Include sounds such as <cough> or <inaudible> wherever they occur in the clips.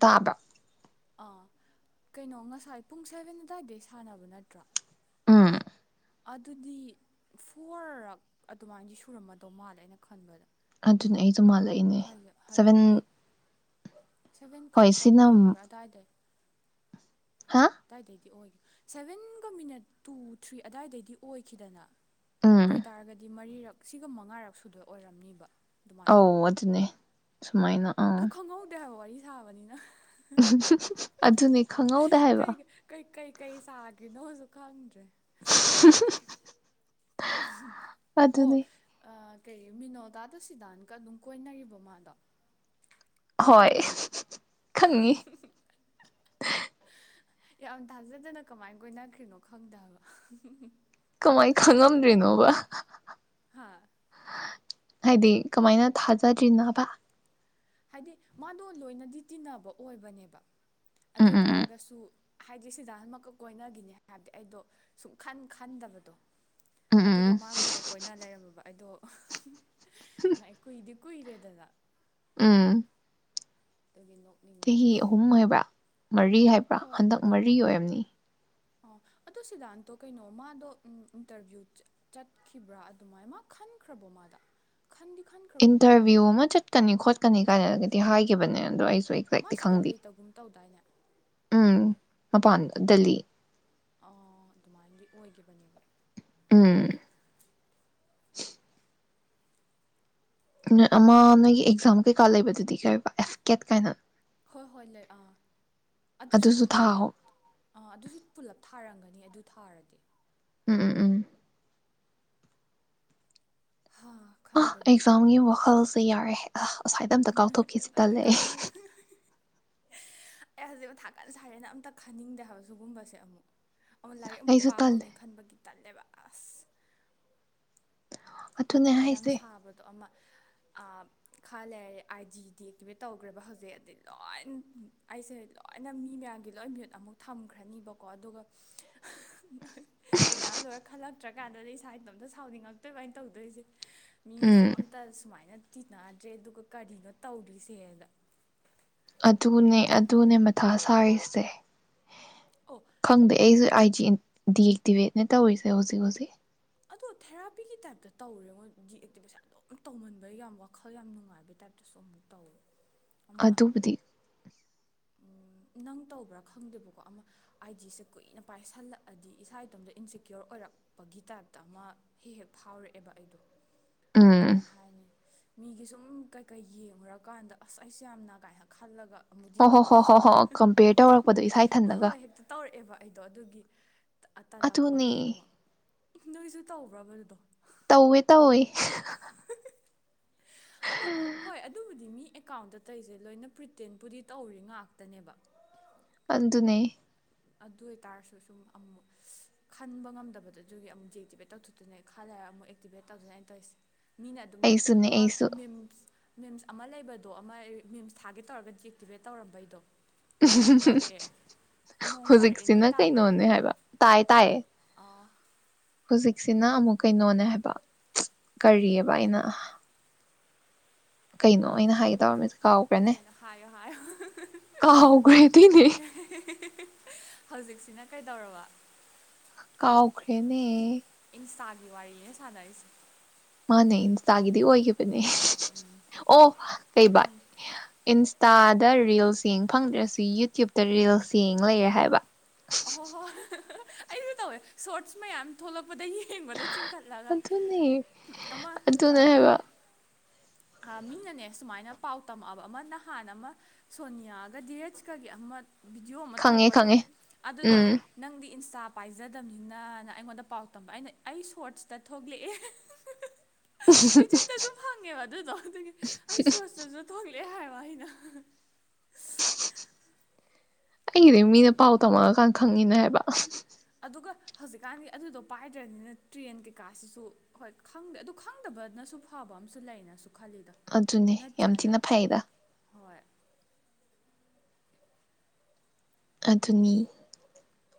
ꯇꯥꯕꯔ ꯑꯥ ꯀꯩꯅꯣ ꯉꯁꯥꯏ ꯄꯨꯡ ꯁꯦꯚꯦꯟ ꯑꯗꯨꯋꯥꯏꯗꯩ ꯁꯥꯟꯅꯕ ꯅꯠꯇ꯭ꯔꯥ ꯎꯝ ꯑꯗꯨꯗꯤ ꯐꯣꯔꯔꯛ ꯑꯗꯨꯃꯥꯏꯅꯗꯤ ꯁꯨꯔꯝꯃꯗꯧ ꯃꯥꯜꯂꯦ ꯑꯩꯅ ꯈꯟꯕꯗ ꯑꯗꯨꯅꯦ ꯑꯩꯁꯨ ꯃꯥꯜꯂꯛꯏꯅꯦ ꯍꯥꯏꯗꯤ ꯍꯥꯏꯗꯤ ꯁꯚꯦꯟ ꯑꯩꯠ ꯁꯚꯦꯟ ꯍꯣꯏ ꯈꯔꯠꯇꯪ ꯁꯤꯅ ꯍꯦꯟꯕ ꯑꯃꯨꯛ ꯑꯗꯨꯋꯥꯏꯗꯩ ꯍꯥ ꯑꯗꯨꯗꯥꯏꯗꯩꯗꯤ ꯑꯣꯏ ꯁꯦꯚꯦꯟꯒ ꯃꯤꯅꯠ ꯇꯨ ꯊ꯭ꯔꯤ ꯑꯗꯨꯗꯥꯏꯗꯩꯗꯤ ꯑꯣꯏꯈꯤꯗꯅ ꯑꯗꯨ ꯎꯝ ꯑꯣꯏꯇꯥꯔꯒꯗꯤ ꯃꯔꯤꯔꯛ ꯁꯤꯒ ꯃꯉꯥꯔꯛ ꯁꯨꯗꯣ ꯑꯣꯏꯔꯝꯅꯤꯕ ꯑꯗꯨꯃꯥꯏꯅ ꯑꯧ ꯑꯗꯨꯅꯦ ꯁꯨꯃꯥꯏꯅ ꯑꯗꯣ ꯈꯪꯍꯧꯗꯦ ꯍꯥꯏꯕ ꯋꯥꯔꯤ ꯁꯥꯕꯅꯤꯅ ꯑꯗꯨꯅꯦ ꯈꯪꯍꯧꯗꯦ ꯍꯥꯏꯕ ꯀꯩ ꯀꯩ ꯀꯩ ꯀꯩ ꯁꯥꯈ꯭ꯔꯤꯅꯣꯁꯨ ꯈꯪꯗ꯭ꯔꯦ <unintelligible> ꯑꯣ ꯑꯗꯨꯅꯤ ꯀꯩ ꯃꯤꯅꯣꯗꯥꯗ ꯁꯤꯗꯥꯟꯒ ꯑꯗꯨꯝ ꯀꯣꯏꯅꯔꯤꯕꯣ ꯃꯥꯗꯣ ꯍꯣꯏ ꯈꯪꯗꯕ꯭ꯔꯥ ꯈꯪꯉꯤ ꯌꯥꯝ ꯊꯥꯖꯗꯅ ꯀꯃꯥꯏ ꯀꯣꯏꯅꯈ꯭ꯔꯤꯅꯣ ꯈꯪꯗꯦ ꯍꯥꯏꯕ ꯀꯃꯥꯏ ꯈꯪꯉꯝꯗ꯭ꯔꯤꯅꯣꯕ ꯍꯥ ꯍꯥꯏꯗꯤ ꯀꯃꯥꯏꯅ ꯊꯥꯖꯗ꯭ꯔꯤꯅꯣꯕ ꯍꯥꯏꯗꯤ ꯃꯥꯗꯣ ꯂꯣꯏꯅꯗꯤ ꯇꯤꯟꯅꯕ ꯑꯣꯏꯕꯅꯦꯕ ꯎꯝ ꯎꯝ ꯎꯝ ꯎꯝ ꯑꯗꯨꯑꯣꯏꯇꯥꯔꯒꯁꯨ ꯍꯥꯏꯗꯤ ꯁꯤꯗꯟ <unintelligible> ꯀꯣꯏꯅꯈꯤꯅꯤ ꯍꯥꯏꯕꯗꯤ ꯑꯩꯗꯣ ꯁꯨꯛꯈꯟ ꯈꯟꯗꯕꯗꯣ ꯎꯝ ꯑꯗꯨꯒ ꯎꯝ ꯃꯥꯒ ꯑꯣꯏꯅ ꯀꯣꯏꯅ ꯂꯩꯔꯝꯃꯕ ꯑꯗꯣ ꯉꯥꯏ ꯀꯨꯏꯗꯤ ꯀꯨꯏꯔꯦꯗꯅ ꯎꯝ ꯑꯗꯨꯒꯤ ꯅꯣꯛꯅꯤꯡꯕ ꯆꯍꯤ ꯑꯍꯨꯝ ꯍꯥꯏꯕ꯭ꯔꯥ ꯃꯔꯤ ꯍꯥꯏꯕ꯭ꯔꯥ ꯍꯣꯏ ꯍꯟꯗꯛ ꯃꯔꯤ ꯑꯣꯏꯔꯝꯅꯤ ꯑꯣ ꯑꯗꯣ ꯁꯤꯗꯥꯟꯗꯣ ꯀꯩꯅꯣ ꯃꯥꯗꯣ ꯏꯟꯇꯔꯚꯤꯌꯨ ꯆꯠꯈꯤꯕ꯭ꯔꯥ ꯑꯗꯨꯃꯥꯏꯅ ꯃꯥ ꯈꯟꯈ꯭ꯔꯕꯣ ꯃꯥꯗꯣ ꯏꯟꯇꯔꯚꯤꯌꯨ ꯑꯃ ꯆꯠꯀꯅꯤ ꯈꯣꯠꯀꯅꯤ ꯀꯥꯏꯅꯒ ꯇꯤ ꯍꯥꯏꯒꯤꯈꯤꯕꯅꯦ ꯑꯗꯣ ꯑꯩ ꯃꯥ <unintelligible> ꯁꯤꯗ ꯈꯪꯗꯦ ꯂꯩꯇꯒꯨꯝ ꯇꯧꯗꯥꯏꯅꯦ ꯎꯝ ꯃꯄꯥꯟ ꯗꯂꯤ ꯑꯗꯨꯃꯥꯏꯅꯗꯤ ꯑꯣꯏꯈꯤꯕꯅꯦꯕ ꯎꯝ ꯑꯃ ꯅꯣꯏꯒꯤ ꯑꯦꯛꯖꯥꯝ ꯀꯩꯀꯥ ꯂꯩꯕꯗꯨꯗꯤ ꯀꯩꯕ ꯑꯦꯐ ꯀꯦꯠ ꯀꯥꯏꯅ ꯍꯣꯏ ꯍꯣꯏ ꯂꯩ ꯑꯥ ꯑꯗꯨꯁꯨ ꯑꯥ ꯑꯗꯨꯁꯨ ꯄꯨꯂꯞ ꯊꯥꯔꯝꯒꯅꯤ ꯅꯤ ꯑꯗꯨ ꯊꯥꯔꯗꯤ ꯎꯝ ꯎꯝ ꯎꯝ ꯍꯥ ꯑ ꯈꯪꯗꯦꯗ ꯑꯦꯛꯖꯝꯒꯤ ꯋꯥꯈꯜꯁ ꯑꯗꯨ ꯌꯥꯔꯦ ꯑ ꯁꯥꯏꯗ ꯑꯝꯇ ꯀꯥꯎꯊꯣꯛꯈꯤꯁꯤ ꯑꯗꯨꯝ ꯇꯜꯂꯦ ꯑꯩ ꯀꯥꯡ ꯉꯥꯎ ꯑꯩ ꯍꯧꯖꯤꯛ ꯃꯊꯥꯀꯟ ꯁꯥꯔꯦꯅ ꯑꯝꯇ ꯈꯟꯅꯤꯡꯗꯦ ꯍꯥꯏꯕ ꯖꯨꯒꯨꯝꯕꯁꯦ ꯑꯃꯨꯛ ꯑꯃ ꯂꯥꯏꯔꯤꯛ ꯑꯃꯨꯛ ꯑꯩꯁꯨ ꯇꯜꯂꯦ ꯄꯥꯍꯧꯅꯤ ꯈꯟꯕꯒꯤ ꯇꯜꯂꯦꯕ ꯑꯁ ꯑꯗꯨꯅꯦ ꯃꯊꯥ ꯌꯥꯝ ꯍꯥꯏꯁꯦ ꯁꯥꯕꯗꯣ ꯑꯃ ꯑ ꯈꯂꯩ ꯑꯥꯏ ꯗꯤ ꯗꯤꯑꯦꯛꯇꯤꯚꯦꯠ ꯇꯧꯈ꯭ꯔꯦꯕ ꯍꯧꯖꯤꯛ ꯑꯗꯤ ꯂꯣꯏ ꯑꯩꯁꯦ ꯂꯣꯏꯅ ꯃꯤ ꯃꯌꯥꯝꯒꯤ ꯂꯣꯏ ꯃꯌ꯭ꯨꯠ ꯑꯃꯨꯛ ꯊꯝꯈ꯭ꯔꯅꯤꯕꯀꯣ ꯑꯗꯨꯒ ꯑꯦꯛꯖꯥꯝ ꯂꯣꯏꯔ ꯈꯜꯂꯛꯇ꯭ꯔꯀꯥꯟꯗꯗꯤ ꯏꯁꯥ ꯏꯇꯣꯝꯇ ꯁꯥꯎꯅꯤꯡꯉꯛꯇꯣꯏꯕ ꯇꯧꯗꯣꯏꯁꯦ ꯃꯤꯁꯨ ꯎꯝ ꯑꯝꯇ ꯁꯨꯃꯥꯏꯅ ꯇꯤꯟꯅꯗ꯭ꯔꯦ ꯑꯗꯨꯒ ꯀꯔꯤꯅꯣ ꯇꯧꯔꯤꯁꯦꯅ ꯑꯗꯨꯅꯦ ꯑꯗꯨꯅꯦ ꯃꯊꯥ ꯁꯥꯔꯤꯁꯦ ꯑꯣ ꯈꯪꯗꯦ ꯑꯩꯁꯨ ꯑꯥꯏꯖꯤꯗꯤ <unintelligible> ꯇꯧꯔꯤꯁꯦ ꯍꯧꯖꯤꯛ ꯍꯧꯖꯤꯛ ꯑꯗꯣ ꯊꯦꯔꯥꯄꯤꯒꯤ ꯇꯥꯏꯞꯇ ꯇꯧꯔꯦꯉꯣꯏ ꯗꯤꯑꯛꯇꯤꯚꯁꯦ ꯑꯗꯨꯝ ꯇꯧꯃꯟꯕꯩ ꯌꯥꯝ ꯋꯥꯈꯜ ꯌꯥꯝ ꯅꯨꯡꯉꯥꯏꯕꯩ ꯇꯥꯏꯞꯇꯁꯨ ꯑꯃꯨꯛ ꯇꯧꯋꯦ ꯑꯃ ꯑꯗꯨꯕꯨꯗꯤ ꯅꯪ ꯇꯧꯕ꯭ꯔꯥ ꯈꯪꯗꯦꯕꯀꯣ ꯑꯃ ꯑꯥꯏꯖꯤ ꯁꯦ ꯀꯨꯏꯅ ꯄꯥꯏꯁꯜꯂꯛꯑꯗꯤ ꯏꯁꯥ ꯏꯇꯣꯝꯇ ꯏꯟꯁꯤꯦꯀ꯭ꯌꯣꯔ ꯑꯣꯏꯔꯛꯄꯒꯤ ꯇꯥꯏꯞꯇ ꯑꯃ ꯍꯦꯛ ꯍꯦꯛ ꯐꯥꯎꯔꯛꯑꯦꯕ ꯑꯩꯗꯣ ꯎꯝ ꯀꯃꯥꯏ ꯍꯥꯏꯅꯤ ꯃꯤꯒꯤ ꯁꯨꯝ ꯀꯩꯀꯩ ꯌꯦꯡꯉꯨꯔꯀꯥꯟꯗ ꯑꯁ ꯑꯩꯁꯦ ꯌꯥꯝꯅ ꯀꯥꯏꯅ ꯈꯜꯂꯒ ꯑꯃꯨꯛ ꯍꯣꯏ ꯍꯣ ꯗꯤꯑꯦꯛꯇꯤꯚꯦꯠ ꯍꯣ ꯍꯣ ꯇꯧꯊꯣꯛ ꯍꯣꯏ ꯀꯝꯄꯦꯌꯔ ꯇꯧꯔꯛꯄꯗꯣ ꯏꯁꯥ ꯍꯣꯏ ꯏꯊꯟꯇꯒ ꯍꯣꯏ ꯍꯦꯛꯇ ꯇꯧꯔꯛꯑꯦꯕ ꯑꯩꯗꯣ ꯑꯗꯨꯒꯤ ꯑ ꯇꯜꯂꯛꯄꯒꯤ ꯑꯃ ꯅꯣꯏꯁꯨ ꯇꯧꯕ꯭ꯔꯕ ꯑꯗꯨꯗꯣ ꯇꯧꯋꯦ ꯇꯧꯋꯦ ꯑꯗꯣ ꯍꯣꯏ ꯑꯗꯨꯕꯨꯗꯤ ꯃꯤ ꯑꯦꯀꯥꯎꯟꯗ ꯇꯩꯁꯦ ꯂꯣꯏꯅ ꯄ꯭ꯔꯤꯇꯦꯟꯕꯨꯨꯗꯤ ꯇꯧꯔꯤ ꯉꯥꯛꯇꯅꯦꯕ ꯑꯗꯨꯅꯦ ꯑꯗꯨ ꯑꯣꯏꯇꯥꯔꯁꯨ ꯁꯨꯝ ꯑꯃꯨꯛ ꯈꯟꯕ ꯉꯝꯗꯕꯗ ꯑꯗꯨꯒꯤ ꯑꯃꯨꯛ ꯗꯤꯑꯦꯛꯇꯤꯚꯦꯠ ꯇꯧꯊꯣꯛꯇꯣꯏꯅꯦ ꯈꯜꯂꯦꯔꯒ ꯑꯃꯨꯛ ꯑꯦꯛꯇꯤꯚꯦꯠ ꯇꯧꯗꯣꯏꯅꯦ ꯑꯩ ꯇꯧꯔꯤꯁꯦ ꯃꯤꯅ ꯑꯗꯨꯝꯅꯦ ꯑꯩꯁꯨꯅꯦ ꯑꯃ ꯑꯩꯁꯨ ꯃꯤꯝꯁ ꯑꯃ ꯂꯩꯕꯗꯣ ꯑꯃ ꯃꯤꯝꯁ ꯊꯥꯒꯦ ꯇꯧꯔꯒ ꯗꯤꯑꯛꯇꯤꯚꯦꯠ ꯇꯧꯔꯝꯕꯩꯗꯣ ꯑꯩꯍꯥ ꯅꯣꯡ ꯎꯃꯍꯃ ꯇꯥꯔꯛꯑꯦ ꯅꯣꯡ ꯇꯥꯔꯛꯑꯦ ꯅꯣꯏ ꯍꯧꯖꯤꯛꯁꯤꯅ ꯇꯥꯕ꯭ꯔꯥ ꯀꯩꯅꯣꯅꯦ ꯍꯥꯏꯕ ꯇꯥꯏ ꯇꯥꯏꯌꯦ ꯑꯥ ꯍꯧꯖꯤꯛꯁꯤꯅ ꯑꯃꯨꯛ ꯀꯩꯅꯣꯅꯦ ꯍꯥꯏꯕ ꯀꯔꯤꯑꯕ ꯑꯩꯅ ꯀꯩꯅꯣ ꯑꯩꯅ ꯍꯥꯏꯒꯦ ꯇꯧꯔꯝꯃꯤ ꯀꯩꯅꯣ ꯍꯥꯏꯌꯣ ꯍꯥꯏꯌꯣ ꯀꯥꯎꯈ꯭ꯔꯦꯗꯤꯅꯦ ꯍꯧꯖꯤꯛ ꯁꯤꯅ ꯀꯩꯗꯧꯔꯕ ꯀꯥꯎꯥꯎꯈꯔꯦꯅꯦ ꯇꯥꯒꯤ ꯋꯥꯔꯤꯏꯅꯦ ꯁꯗꯥ ꯏꯁꯤ ꯃꯥꯅꯦ ꯏꯟꯁꯗ ꯑꯣꯏꯈꯤꯕꯅꯦ ꯎꯝ ꯑꯣ ꯀꯩꯕꯥ ꯎꯝ ꯏꯟꯁꯇꯥꯗ ꯔꯤꯜꯁ ꯌꯦꯡ ꯐꯪꯗ꯭ꯔꯁꯨ ꯌꯨꯇ꯭ꯌꯨꯕꯇ ꯔꯤꯜꯁ ꯌꯦꯡ ꯂꯩꯔꯦ ꯍꯥꯏꯕ ꯑꯣ ꯍꯣ ꯑꯁꯨ ꯇ ꯁꯣ ꯌꯥꯝ ꯊꯂꯛ ꯗ ꯌꯦꯡꯕꯗ ꯆꯤꯡꯈꯠꯂꯒ ꯑꯗꯨꯅꯦ ꯑꯃ ꯑꯗꯨꯅꯦ ꯍꯥꯏꯕ ꯃꯤꯅꯅꯦ ꯁꯨꯃꯥꯏꯅ ꯄꯥꯎ ꯇꯝꯃꯛꯑꯕ ꯑꯃ ꯅꯍꯥꯟ ꯑꯃ ꯁꯣꯅꯤꯌꯥꯒ ꯗꯤꯔꯖꯀꯒꯤ ꯑꯃ ꯚꯤꯗꯤꯑꯣ ꯑꯃ ꯈꯪꯉꯦ ꯊꯣꯛꯄꯗꯣ ꯈꯪꯉꯦ ꯑꯗꯨꯗꯣ ꯎꯝ ꯅꯪ ꯏꯟꯁꯇꯥ ꯄꯥꯏꯖꯗꯕꯅꯤꯅꯅ ꯑꯩꯉꯣꯟꯗ ꯄꯥꯎ ꯇꯝꯕ ꯑꯩꯅ ꯑꯩ ꯁꯣꯔꯠꯁꯇ ꯊꯣꯛꯂꯛꯑꯦ ꯌꯨꯇꯕꯇꯁꯨꯨꯝ ꯐꯪꯉꯦꯕ ꯑꯗꯨꯗ ꯑꯗꯨꯒꯤ ꯑꯩ ꯁꯣꯁꯇꯁꯨꯉ ꯀ ꯍꯥꯏ ꯋꯥꯍꯤꯅ <unintelligible> ꯑꯩꯒꯤꯗꯤ ꯃꯤꯅ ꯄꯥꯎ ꯇꯝꯃꯒꯦ ꯈꯪꯉꯤꯅꯦ ꯍꯥꯏꯕ ꯑꯗꯨꯒ ꯍꯧꯖꯤꯛꯀꯥꯟꯒꯤ ꯑꯗꯨꯗꯣ ꯄꯥꯏꯗ꯭ꯔꯅꯤꯅ ꯇ꯭ꯔꯦꯟ ꯀꯩꯀꯥꯁꯤꯁꯨ ꯍꯣꯏ ꯈꯪꯗꯦ ꯑꯗꯨ ꯈꯪꯗꯕꯅꯁꯨ ꯐꯕ ꯑꯨ ꯂꯩꯅꯁꯨ ꯈꯜꯂꯤꯗ ꯑꯗꯨꯅꯦ ꯌꯥꯝ ꯅꯠꯇ꯭ꯔꯅꯦ ꯊꯤꯅ ꯐꯩꯗ ꯍꯣꯏ ꯑꯗꯨꯅꯤ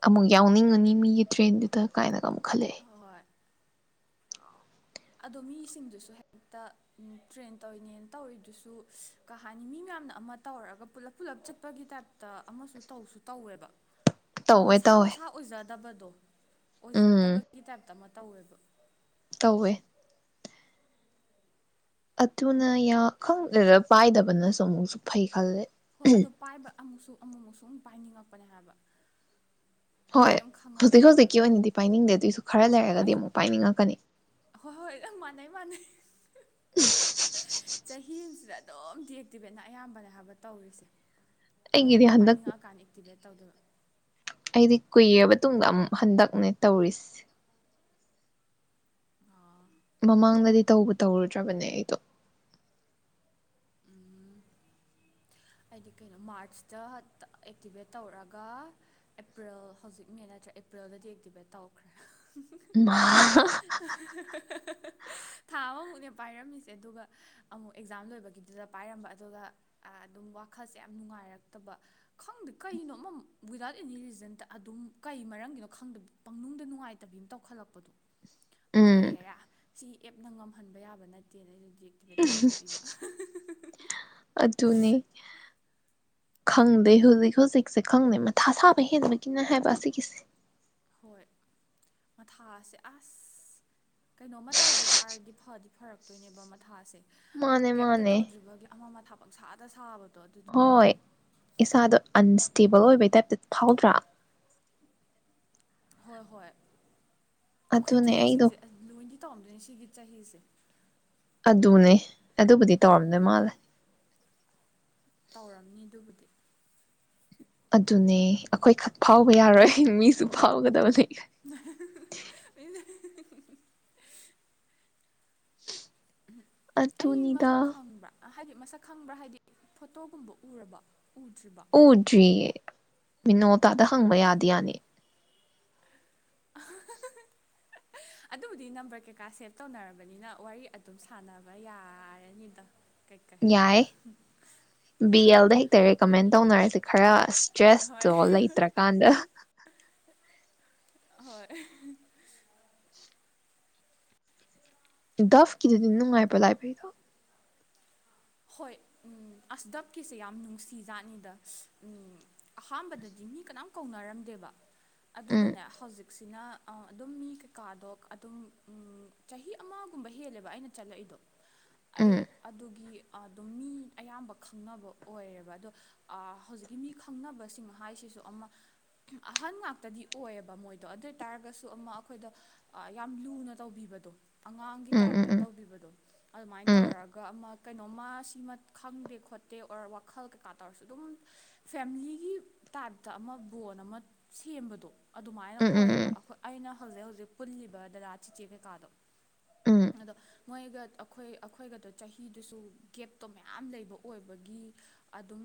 ꯑꯃꯨꯛ ꯌꯥꯎꯅꯤꯡꯉꯅꯤ ꯃꯤꯒꯤ ꯇ꯭ꯔꯦꯟꯗꯨꯗ ꯀꯥꯏꯅꯒ ꯑꯃꯨꯛ ꯈꯜꯂꯛꯑꯦ ꯍꯣꯏ ꯑꯗꯣ ꯃꯤꯁꯤꯡꯗꯨꯁꯨ ꯍꯦꯛꯇ ꯇ꯭ꯔꯦꯟ ꯇꯧꯔꯤꯅꯦꯅ ꯇꯧꯔꯤꯗꯨꯁꯨ ꯀꯩ ꯍꯥꯏꯅꯤ ꯃꯤ ꯃꯌꯥꯝꯅ ꯑꯃ ꯇꯧꯔꯒ ꯄꯨꯜꯂꯞ ꯄꯨꯂꯞ ꯆꯠꯄꯒꯤ ꯇꯥꯏꯞꯇ ꯑꯃꯁꯨ ꯇꯧꯁꯨ ꯇꯧꯋꯦꯕ ꯑꯃ ꯇꯧꯋꯦ ꯃꯁꯥ ꯇꯧꯋꯦ ꯃꯁꯥ ꯑꯣꯏꯖꯗꯕꯗꯣ ꯑꯣꯏꯖꯗꯕꯒꯤ ꯇꯥꯏꯞꯇ ꯑꯃ ꯇꯧꯋꯦꯕ ꯀꯧꯋꯦ ꯑꯗꯨꯅ ꯌꯥ ꯈꯪꯗꯦꯗ ꯄꯥꯏꯗꯕꯅꯁꯨ ꯑꯃꯨꯛꯁꯨ ꯐꯩ ꯈꯜꯂꯦ ꯍꯣꯏ ꯑꯗꯣ ꯄꯥꯏꯕ ꯑꯃꯨꯛꯁꯨ ꯑꯃꯨꯛꯃꯨꯛꯁꯨ ꯄꯥꯏꯅꯤꯡꯉꯛꯄꯅꯦ ꯍꯥꯏꯕ ꯍꯣꯏ ꯀꯩꯝ ꯍꯧꯖꯤꯛ ꯍꯧꯖꯤꯛꯀꯤ ꯈꯪꯉꯛꯇꯕꯒꯤ ꯑꯣꯏꯅꯗꯤ ꯄꯥꯏꯅꯤꯡꯗꯦ ꯑꯗꯨꯏꯁꯨ ꯈꯔ ꯂꯩꯔꯒꯗꯤ ꯑꯩꯁꯨ ꯑꯃꯨꯛ ꯄꯥꯏꯅꯤꯡꯉꯛꯀꯅꯤ ꯍꯣꯏ ꯍꯣꯏ ꯅꯪ ꯃꯥꯟꯅꯩ ꯃꯥꯥꯟꯅꯩ <unintelligible> ꯆꯍꯤꯖꯤꯗ ꯑꯗꯨꯝ ꯗꯤꯑꯛꯇꯤꯚꯦꯠꯅ ꯑꯌꯥꯝꯕꯅꯦ ꯍꯥꯏꯕ ꯇꯧꯔꯤꯖꯦ꯫ ꯑꯧ ꯑꯩꯒꯤꯗꯤ ꯍꯟꯗꯛ ꯄꯅꯤꯡꯉ ꯀꯥꯟꯗ ꯑꯦꯛꯇꯤꯕꯦꯠ <unintelligible> ꯑꯩꯗꯤ ꯀꯨꯏꯔꯕ ꯇꯨꯡꯗ ꯑꯃꯨꯛ ꯍꯟꯗꯛꯅꯦ ꯇꯧꯔꯤꯁꯦ꯫ ꯑꯥ ꯃꯃꯥꯡꯗꯗꯤ ꯇꯧꯕꯨ ꯇꯧꯔꯨꯗ꯭ꯔꯕꯅꯦ ꯑꯩꯗꯣ꯫ ꯎꯝ꯫ ꯍꯥꯏꯗꯤ ꯀꯩꯅꯣ ꯃꯥꯔꯁꯇ ꯑꯦꯛꯇꯤꯚꯦꯠ ꯇꯧꯔꯛꯒ ꯑꯦꯄ꯭ꯔꯤꯜ ꯍꯧꯖꯤꯛ ꯃꯦ ꯅꯠꯇ꯭ꯔꯥ ꯑꯦꯄ꯭ꯔꯤꯜꯗ ꯑꯦꯛꯇꯤꯚꯦꯠ ꯇꯧꯈ꯭ꯔꯦ꯫ ꯃꯥ꯫ ꯊꯥ ꯑꯃꯃꯨꯛꯅꯦ ꯄꯥꯏꯔꯝꯃꯤꯁꯦ ꯑꯗꯨꯒ ꯑꯃꯨꯛ ꯑꯦꯛꯖꯥꯝ ꯂꯣꯏꯕꯒꯤꯗꯨꯗ ꯄꯥꯏꯔꯝꯕ ꯑꯗꯨꯒ ꯑꯥ ꯑꯗꯨꯝ ꯋꯥꯈꯜꯁꯦ ꯌꯥꯝ ꯅꯨꯡꯉꯥꯏꯔꯛꯇꯕ ꯈꯪꯗꯦ ꯀꯩꯅꯣ ꯑꯃ ꯋꯤꯗꯥꯎꯠ ꯑꯦꯅꯤ ꯔꯤꯖꯟꯗ ꯑꯗꯨꯝ ꯀꯩ ꯃꯔꯝꯒꯤꯅꯣ ꯈꯪꯗꯕ ꯄꯪꯅꯨꯡꯗ ꯅꯨꯡꯉꯥꯏꯇꯕꯤ ꯑꯃ ꯇꯧꯈꯠꯂꯛꯄꯗꯣ꯫ ꯑꯗꯨꯒ ꯍꯦꯔꯥ ꯁꯤ ꯑꯦꯞꯅ ꯉꯝꯍꯟꯕ ꯌꯥꯕ ꯅꯠꯇꯦꯅ ꯑꯩꯗꯨꯖꯤꯛ ꯃꯣꯇꯤꯚꯦꯠ ꯇꯧꯊꯣꯛꯏꯕ꯫ ꯑꯗꯨꯅꯤ ꯈꯪꯗꯦ ꯍꯧꯖꯤꯛ ꯍꯧꯖꯤꯛꯁꯦ ꯈꯪꯗꯦ ꯃꯊꯥ ꯁꯥꯕ ꯍꯦꯟꯕꯒꯤꯅꯦ ꯍꯥꯏꯕ ꯑꯁꯤꯒꯤꯁꯦ꯫ ꯍꯣꯏ ꯃꯊꯥꯖꯦ ꯑꯁ ꯀꯩꯅꯣꯝ ꯇꯧꯒꯤ ꯇꯥꯔꯗꯤ ꯐꯗꯤ ꯐꯔꯛꯇꯣꯏꯅꯦꯕ ꯃꯊꯥꯁꯦ꯫ ꯃꯥꯅꯦ ꯀꯏꯝꯇ ꯃꯥꯅꯦ ꯇꯧꯗ꯭ꯔꯤꯕꯒꯤ ꯑꯃ ꯃꯊꯥ ꯄꯪꯁꯥꯗ ꯁꯥꯕ꯫ ꯍꯣꯏ ꯏꯁꯥꯗ ꯑꯟꯁ ꯇꯦꯕꯜ ꯑꯣꯏꯕꯩ ꯇꯥꯏꯞꯇ ꯐꯥꯎꯗ꯭ꯔꯥ꯫ ꯍꯣꯏ ꯍꯣꯏ꯫ ꯑꯩꯈꯣꯏ ꯑꯗꯨꯅꯦ ꯑꯩꯗꯣ ꯆꯍꯤꯁꯤꯡꯁꯦ ꯑ ꯂꯣꯏꯗꯤ ꯇꯧꯔꯝꯗꯣꯏꯅꯤ ꯁꯤꯒꯤ ꯆꯍꯤꯖꯦ꯫ ꯑꯗꯨꯅꯦ ꯑꯗꯨꯕꯨꯗꯤ ꯇꯧꯔꯝꯗꯣꯏ ꯃꯥꯜꯂꯦ꯫ ꯇꯧꯔꯝꯅꯤ ꯑꯗꯨꯕꯨꯗꯤ꯫ ꯑꯗꯨꯅꯦ ꯑꯩꯈꯣꯏ ꯈꯛ ꯐꯥꯎꯕ ꯌꯥꯔꯣꯏ ꯃꯤꯁꯨ ꯐꯥꯎꯒꯗꯕꯅꯤ꯫ <unintelligible> <unintelligible> ꯑꯩ ꯑꯗꯨꯅꯤꯗ꯫ ꯃꯁꯛ ꯈꯪꯕ꯭ꯔꯥ ꯍꯥꯏꯗꯤ ꯃꯁꯛ ꯈꯪꯕ꯭ꯔꯥ ꯍꯥꯏꯗꯤ ꯐꯣꯇꯣꯒꯨꯝꯕ ꯎꯔꯕꯣ꯫ ꯎꯗ꯭ꯔꯤꯌꯦ꯫ ꯃꯤꯅꯣ ꯇꯥꯗ ꯍꯪꯕ ꯌꯥꯗꯤ ꯌꯥꯅꯤ꯫ ꯑꯗꯨꯕꯨꯗꯤ ꯅꯝꯕꯔ ꯀꯩꯀꯥ ꯁꯦꯞ ꯇꯧꯅꯔꯕꯅꯤꯅ ꯋꯥꯔꯤ ꯑꯗꯨꯝ ꯁꯥꯟꯅꯕ ꯌꯥꯔꯅꯤꯗ꯫ ꯀꯩꯀꯩ ꯌꯥꯏ ꯕꯤ ꯑꯦꯜꯗ ꯍꯦꯛꯇ ꯔꯤꯀꯃꯦꯟ ꯇꯧꯅꯔꯁꯤ꯫ ꯈꯔ ꯑꯁ ꯍꯣꯏ ꯗꯔꯦꯁꯇꯣ ꯂꯩꯇ꯭ꯔ ꯀꯥꯟꯗ꯫ ꯍꯣꯏ ꯗꯥꯐ ꯀꯤꯗꯨꯗꯤ ꯅꯨꯡꯉꯥꯏꯕ꯭ꯔꯣ ꯂꯥꯏꯕꯔꯤꯗꯣ ꯍꯣꯏ ꯎ ꯑꯁ ꯗꯞꯀꯤꯁꯦ ꯌꯥꯝ ꯅꯨꯡꯁꯤꯖꯥꯠꯅꯤꯗ ꯎꯝ ꯑꯍꯥꯟꯕꯗꯗꯤ ꯃꯤ ꯀꯅꯥꯝ ꯀꯧꯅꯔꯝꯗꯦꯕ ꯎꯝ ꯑꯗꯨꯒꯅꯦ ꯍꯧꯖꯤꯛꯁꯤꯅ ꯑ ꯑꯗꯨꯝ ꯃꯤ ꯀꯩꯀꯥꯗꯣ ꯑꯗꯨꯝ ꯆꯍꯤ ꯑꯃꯒꯨꯝꯕ ꯍꯦꯜꯂꯦꯕ ꯑꯩꯅ ꯆꯠꯂꯛꯏꯗꯣ ꯑꯩ ꯎꯝ ꯑꯗꯨꯒꯤ ꯑꯗꯨꯝ ꯃꯤ ꯑꯌꯥꯝꯕ ꯈꯪꯅꯕ ꯑꯣꯏꯌꯦꯕ ꯑꯗꯣ ꯍꯧꯖꯤꯛꯀꯤ ꯃꯤ ꯈꯪꯅꯕꯁꯤꯡ ꯍꯥꯏꯁꯤꯁꯨ ꯑꯃ ꯑꯍꯟ ꯉꯥꯛꯇꯗꯤ ꯑꯣꯏꯌꯦꯕ ꯃꯣꯏꯗꯣ ꯑꯗꯨ ꯑꯣꯏ ꯇꯥꯔꯒꯁꯨ ꯑꯃ ꯑꯩꯈꯣꯏꯗ ꯌꯥꯝ ꯂꯨꯅ ꯇꯧꯕꯤꯕꯗꯣ ꯑꯉꯥꯡꯒꯤ ꯎꯝ ꯇꯥꯏꯞꯇ ꯎꯝ ꯇꯧꯕꯤꯕꯗꯣ ꯑꯗꯨꯃꯥꯏꯅ ꯎꯝ ꯇꯧꯔꯒ ꯑꯃ ꯁꯤꯃ ꯈꯪꯗꯦ ꯈꯣꯠꯇꯦ ꯑꯣꯔ ꯋꯥꯈꯜ ꯀꯩꯀꯥ ꯇꯧꯔꯁꯨ ꯑꯗꯨꯝ ꯐꯦꯂꯤꯒꯤ ꯇꯥꯏꯞꯇ ꯑꯃ ꯕꯣꯟ ꯑꯃ ꯁꯦꯝꯕꯗꯣ ꯑꯗꯨꯃꯥꯏꯅ ꯎꯝ ꯎꯝ ꯑꯣꯏꯌꯦꯕ ꯎꯝ ꯑꯩꯈꯣꯏ ꯑꯩꯅ ꯍꯧꯖꯤꯛ ꯍꯧꯖꯤꯛ ꯄꯨꯜꯂꯤꯕ ꯗꯗꯥ ꯆꯤꯆꯦ ꯀꯩꯀꯥꯗꯣ ꯎꯝ ꯎꯝ ꯑꯗꯣ ꯃꯣꯏꯒ ꯑꯩꯈꯣꯏ ꯑꯩꯈꯣꯏꯒꯗꯣ ꯆꯍꯤꯗꯨꯁꯨ ꯒꯦꯞꯇꯣ ꯃꯌꯥꯝ ꯂꯩꯕ ꯑꯣꯏꯕꯒꯤ ꯑꯗꯨꯝ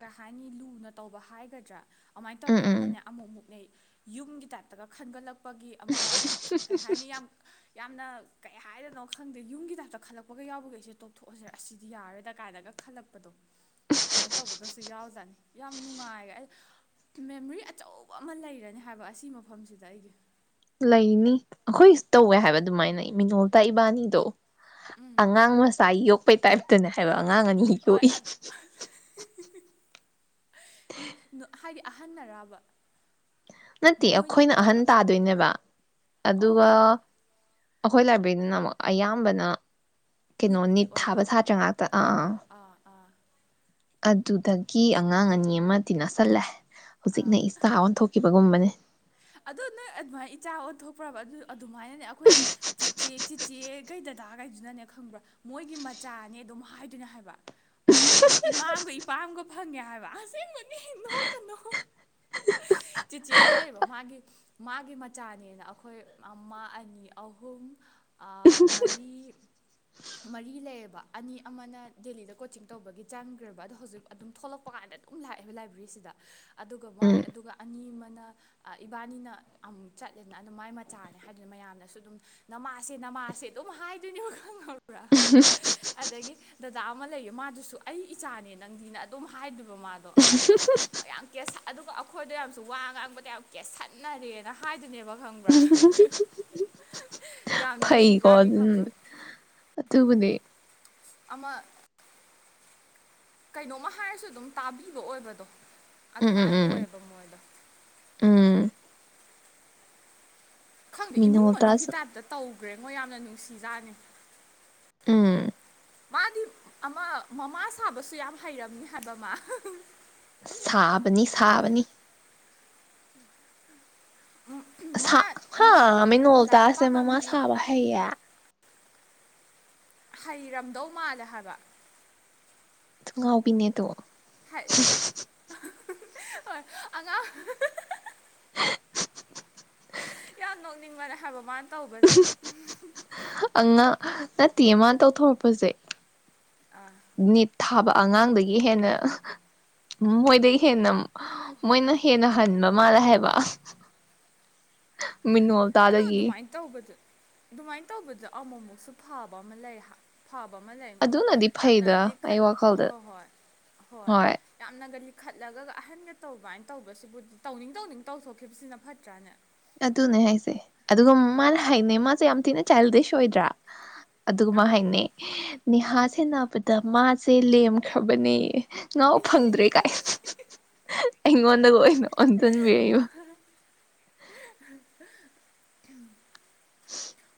ꯀꯩ ꯍꯥꯏꯅꯤ ꯂꯨꯅ ꯇꯧꯕ ꯍꯥꯏꯒꯗ꯭ꯔꯥ ꯑꯃꯥꯏꯅ ꯎꯝ ꯇꯧꯔꯛꯄꯩ ꯎꯝ ꯑꯃꯅꯦ ꯑꯃꯨꯛ ꯃꯨꯛ ꯌꯨꯝꯒꯤ ꯇꯥꯏꯞꯇꯒ ꯈꯟꯒꯠꯂꯛꯄꯒꯤ ꯑꯃ ꯀꯩ ꯍꯥꯏꯅꯤ ꯌꯥꯝ ꯌꯥꯝꯅ ꯀꯩ ꯍꯥꯏꯗꯅꯣ ꯈꯪꯗꯦ ꯌꯨꯝꯒꯤ ꯇꯥꯏꯞꯇ ꯈꯜꯂꯄꯒ ꯌꯥꯕꯤꯒꯩꯁꯦ ꯊꯣꯛꯑꯁꯤꯔꯦ ꯑꯁꯤꯗꯤ ꯌꯥꯔꯣꯏꯗ ꯀꯥꯏꯅꯒ ꯈꯜꯂꯛꯄꯗꯣ ꯑꯗꯨꯃꯥꯏꯅ ꯇꯧꯕꯒꯁꯨ ꯌꯥꯎꯖꯅꯤ ꯌꯥꯝ ꯅꯨꯡꯉꯥꯏꯔꯦ ꯑꯩ ꯃꯦꯃꯣꯔꯤ ꯑꯆꯧꯕ ꯑꯃ ꯂꯩꯔꯅꯤ ꯍꯥꯏꯕ ꯑꯁꯤ ꯃꯐꯝꯁꯤꯗ ꯑꯩꯒꯤ ꯂꯩꯅꯤ ꯑꯩꯈꯣꯏ ꯇꯧꯋꯦ ꯍꯥꯏꯕ ꯑꯗꯨꯃꯥꯏꯅ ꯃꯤꯅꯣꯜꯇ ꯏꯕꯥꯅꯤꯗꯣ ꯎꯝ ꯑꯉꯥꯡ ꯃꯁꯥꯏ ꯌꯣꯛ ꯩ ꯇꯥꯏꯞꯇꯅꯦ ꯍꯥꯏꯕ ꯑꯉꯥꯡ ꯑꯅꯤꯦꯛ ꯍꯣꯏ ꯌꯣꯛꯏ ꯑꯗꯨꯝ ꯍꯥꯏꯔ ꯑꯍꯟꯅ ꯑꯔꯥꯕ ꯅꯠꯇꯦ ꯑꯩꯈꯣꯏꯅ ꯑꯍꯟ ꯇꯥꯗꯣꯏꯅꯦꯕ ꯑꯗꯨꯒ ꯑꯣ ꯑꯩꯈꯣꯏ ꯂꯥꯏꯕ꯭ꯔꯦꯔꯤꯅ ꯑꯃꯨꯛ ꯑꯌꯥꯝꯕꯅ ꯀꯩꯅꯣ ꯅꯤꯠꯀꯤ ꯅꯤꯠ ꯊꯥꯕ ꯑꯣꯏꯕ꯭ꯔꯥ ꯁꯥꯇ꯭ꯔ ꯉꯥꯛꯇ ꯑꯥ ꯑꯥ ꯑꯗꯨꯗꯒꯤ ꯑꯉꯥꯡ ꯑꯅꯤ ꯑꯃꯗꯤ ꯅꯁꯜꯂꯦ ꯑꯥ ꯍꯧꯖꯤꯛꯅ ꯏꯁꯇꯥ ꯑꯣꯟꯊꯣꯛꯈꯤꯕꯒꯨꯝꯕꯅꯦ ꯑꯗꯣ ꯅꯣꯏ ꯑꯗꯨꯃꯥꯏꯅ ꯏꯆꯥ ꯑꯣꯟꯊꯣꯛꯄ꯭ꯔꯕ ꯑꯗꯨꯃꯥꯏꯅꯅꯦ ꯑꯩꯈꯣꯏ ꯆꯤꯦ ꯆꯤꯆꯦ ꯀꯀꯩ ꯗꯗꯥꯈꯩꯗꯨꯅꯅꯦ ꯈꯪꯕ꯭ꯔꯥ ꯃꯣꯏꯒꯤ ꯃꯆꯥꯅꯦ ꯑꯗꯨꯝ ꯍꯥꯏꯗꯣꯏꯅꯦ ꯍꯥꯏꯕ ꯑꯩꯗꯤ ꯏꯃꯥ ꯑꯃꯒ ꯏꯄꯥꯝꯒ ꯐꯪꯉꯦ ꯍꯥꯏꯕ ꯦ ꯏ ꯅꯣꯛꯀꯅꯣ ꯆꯤꯆꯦ ꯑꯃꯥ ꯂꯩꯕ ꯃꯥꯒꯤ ꯃꯆꯥꯅꯦꯅ ꯑꯩꯈꯣꯏ ꯑꯃ ꯑꯅꯤ ꯑꯍꯨꯝ ꯃꯔꯤ ꯃꯔꯤ ꯂꯩꯌꯦꯕ ꯑꯅꯤ ꯑꯃꯅ ꯗꯦꯜꯂꯤꯗ ꯀꯣꯆꯤꯡ ꯇꯧꯕꯒꯤ ꯆꯪꯈ꯭ꯔꯕ ꯑꯗꯣ ꯍꯧꯖꯤꯛ ꯑꯗꯨꯝ ꯊꯣꯛꯂꯛꯄ ꯀꯥꯟꯗ ꯑꯗꯨꯝ ꯂꯥꯛꯑꯦꯕ ꯂꯥꯏꯕ꯭ꯔꯦꯔꯤꯁꯤꯗ ꯑꯗꯨꯒ ꯃꯥꯏ ꯎꯝ ꯑꯗꯨꯒ ꯑꯅꯤ ꯑꯃꯅ ꯏꯕꯥꯅꯤꯅ ꯑꯃꯨꯛ ꯆꯠꯂꯦꯅ ꯑꯗꯨꯝ ꯃꯥꯏ ꯃꯆꯥꯅꯦ ꯍꯥꯏꯗꯨꯅ ꯃꯌꯥꯝꯅꯁꯨ ꯑꯗꯨꯝ ꯅꯥꯃꯥꯁꯦ ꯅꯥꯃꯥꯁꯦ ꯑꯗꯨꯝ ꯍꯥꯏꯗꯣꯏꯅꯦꯕ ꯈꯪꯉ ꯄꯨꯔꯥ ꯑꯗꯒꯤ ꯗꯗꯥ ꯑꯃ ꯂꯩꯌꯦ ꯃꯥꯗꯨꯁꯨ ꯑꯩ ꯏꯆꯥꯅꯦ ꯅꯪꯗꯤꯅ ꯑꯗꯨꯝ ꯍꯥꯏꯗꯕ ꯃꯥꯗꯣ ꯌꯥꯝ ꯀꯦꯁ ꯑꯗꯨꯒ ꯑꯩꯈꯣꯏꯗ ꯌꯥꯝꯁꯨ ꯋꯥ ꯉꯥꯡꯕꯗ ꯌꯥꯝ ꯀꯦꯁꯟꯅꯔꯦꯅ ꯍꯥꯏꯗꯨꯅꯦꯕ ꯈꯪꯕ <unintelligible> ꯌꯥꯝ ꯐꯩꯀꯣ ꯅꯨꯡꯁꯤꯖꯥꯠꯅꯤ ꯑꯗꯨ ꯈꯪꯕ꯭ꯔꯥ ꯑꯗꯨꯕꯨꯗꯤ ꯑꯃ ꯀꯩꯅꯣꯝꯃ ꯍꯥꯏꯔꯁꯨ ꯑꯗꯨꯝ ꯇꯥꯕꯤꯕ ꯑꯣꯏꯕꯗꯣ ꯎꯝ ꯎꯝ ꯑꯗꯨꯃꯥꯥꯏ ꯎꯝ ꯑꯣꯏꯌꯦꯕ ꯃꯣꯏꯗ ꯎꯝ ꯈꯪꯗꯦ ꯏꯃꯨꯡ ꯃꯅꯨꯡꯒꯤ ꯃꯤꯅꯣꯜꯇꯥꯁꯨ ꯇꯥꯏꯞꯇ ꯇꯧ ꯒ꯭ꯔꯦꯡꯉꯣ ꯌꯥꯝꯅ ꯅꯨꯡꯁꯤꯖꯥꯅꯤ ꯎꯝ ꯃꯥꯗꯤ ꯑꯃ ꯃꯃꯥ ꯁꯥꯕꯁꯨ ꯌꯥꯝ ꯍꯩꯔꯝꯅꯤ ꯍꯥꯏꯕ ꯃꯥ ꯁꯥꯕꯅꯤ ꯁꯥꯕꯅꯤ ꯃꯥ ꯑꯁꯥ ꯍ ꯃꯥꯒꯤ ꯂꯥꯏꯔꯤꯛ ꯃꯤꯅꯣꯜꯇꯥꯁꯦ ꯃꯃꯥ ꯄꯥꯐꯝꯒꯤ ꯁꯥꯕ ꯍꯩꯌꯦ ꯍꯩꯔꯝꯗꯧ ꯃꯥꯜꯂꯦ ꯍꯥꯏꯕ <unintelligible> ꯊꯨ ꯉꯥꯎꯕꯤꯅꯦ ꯑꯗꯣ <unintelligible> ꯍꯥꯏꯠ ꯑꯍꯥ ꯍꯥ ꯍꯣꯏ ꯑꯉꯥꯡ꯫ ꯌꯥꯝ ꯅꯣꯛꯅꯤꯡꯕꯅꯦ ꯍꯥꯏꯕ ꯃꯥꯅ ꯇꯧꯕꯁꯦ ꯑꯉꯥꯡ ꯅꯠꯇꯦ ꯃꯥ ꯇꯧꯊꯣꯛ꯫ ꯄꯖꯦ꯫ ꯑꯥ ꯅꯤꯠ ꯊꯥꯕ꯫ ꯑꯉꯥꯡꯗꯒꯤ ꯍꯦꯟꯅ ꯃꯣꯏꯗꯒꯤ ꯍꯦꯟꯅ ꯃꯣꯏꯅ ꯍꯦꯟꯅ ꯍꯟꯕ ꯃꯥꯜꯂꯦ ꯍꯥꯏꯕ ꯃꯤꯅꯣ ꯑꯗꯣ ꯑꯗꯨꯃꯥꯏꯅ ꯇꯧꯕꯖꯦ꯫ ꯑꯗꯨꯃꯥꯏꯅ ꯇꯧꯕꯗ ꯑꯃꯨꯛꯃꯨꯛꯁꯨ ꯐꯕ ꯑꯃ ꯂꯩ ꯍꯥ ꯐꯕ ꯑꯃ ꯂꯩ ꯑꯃ ꯑꯗꯨꯅꯗꯤ ꯌꯥꯝꯅ ꯐꯩꯗ ꯑꯩ ꯂꯤꯈꯠ ꯋꯥꯈꯜꯗ ꯍꯣꯏ ꯍꯣꯏ ꯍꯣꯏ ꯌꯥꯝꯅꯒ ꯂꯤ ꯈꯠꯂꯒ ꯑꯍꯟꯒ ꯇꯧꯕꯥꯏꯅ ꯇꯧꯕꯁꯤꯕꯨꯗꯤ ꯇꯧꯅꯤꯡ ꯇꯧꯅꯤꯡ ꯇꯧꯊꯣꯛꯈꯤꯕꯁꯤꯅ ꯐꯠꯇ꯭ꯔꯥꯅꯦ꯫ ꯑꯗꯨꯅꯦ ꯍꯥꯏꯁꯦ ꯑꯗꯨꯒ ꯃꯥꯅ ꯍꯥꯏꯅꯦ ꯃꯥꯁꯦ ꯌꯥꯝ ꯊꯤꯅ ꯆꯥꯏꯜꯗꯤꯁ ꯑꯣꯏꯗ꯭ꯔꯥ꯫ ꯑꯗꯨꯒ ꯃꯥ ꯑꯥ ꯍꯥꯏꯅꯦ꯫ ꯅꯦꯍꯥ ꯁꯦꯟꯅꯕꯗ ꯃꯥꯁꯦ ꯂꯦꯝꯈ꯭ꯔꯕꯅꯦꯌꯦ ꯉꯥꯎ ꯐꯪꯗ꯭ꯔꯦ ꯀꯥꯏ ꯑꯩꯉꯣꯟꯗꯒ ꯑꯣꯏꯅ ꯑꯣꯟꯁꯤꯟꯕꯤꯔꯛꯏꯕ꯫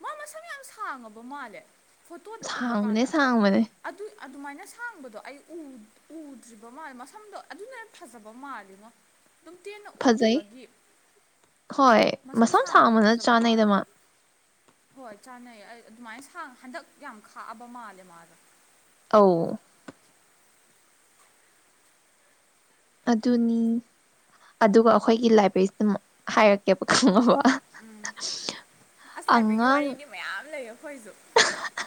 ꯃꯥ ꯃꯁꯝ ꯌꯥꯝ ꯁꯥꯡꯉꯕ ꯃꯥꯜꯂꯦ꯫ ꯐꯣꯇꯣꯗ ꯎꯕ ꯁꯥꯡꯕꯅꯦ ꯀꯥꯟꯗ ꯁꯥꯡꯕꯅꯦ ꯑꯗꯨ ꯑꯗꯨꯃꯥꯏꯅ ꯁꯥꯡꯕꯗꯣ ꯑꯩ ꯎ ꯎꯗ꯭ꯔꯤꯕ ꯃꯥꯜꯂꯦ ꯃꯁꯝꯗꯣ ꯑꯗꯨꯅ ꯍꯦꯟ ꯐꯖꯕ ꯃꯥꯜꯂꯤꯉꯣ꯫ ꯑꯗꯨꯝ ꯇꯦꯟꯅ ꯐꯖꯩ ꯎꯈꯤꯕꯒꯤ꯫ ꯍꯣꯏ ꯃꯁꯝ ꯁꯥꯡꯕꯅ ꯆꯥꯅꯩꯗ ꯃꯥ ꯍꯣꯏ ꯆꯥꯅꯩ ꯑꯩ ꯑꯗꯨꯃꯥꯏꯅ ꯁꯥꯡ ꯍꯟꯗꯛ ꯌꯥꯝ ꯈꯥꯛꯑꯕ ꯃꯥꯜꯂꯦ ꯃꯥꯗꯣ꯫ ꯑꯧ꯫ ꯑꯗꯨꯅꯤ ꯑꯗꯨꯒ ꯑꯩꯈꯣꯏꯒꯤ ꯂꯥꯏꯕ꯭ꯔꯦꯔꯤꯁꯤꯗ ꯍꯥꯏꯔꯛ ꯎꯝ ꯎꯝ ꯑꯁ ꯂꯥꯏꯕ꯭ꯔꯤꯒꯤ ꯑꯉꯥꯡ ꯋꯥꯔꯤꯗꯤ ꯃꯌꯥꯝ ꯂꯩꯌꯦ ꯑꯩꯈꯣꯏꯁꯨ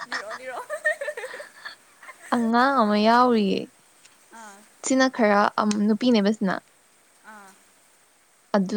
ꯂꯤꯔꯛꯑꯣ ꯂꯤꯔꯛꯑꯣ <unintelligible> ꯑꯉꯥꯡ ꯑꯃ ꯌꯥꯎꯔꯤꯌꯦ ꯑꯥ ꯁꯤꯅ ꯈꯔ ꯑꯝ ꯅꯨꯄꯤꯅꯦꯕ ꯁꯤꯅ ꯑꯥ ꯑꯗꯨ